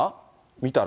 見たら。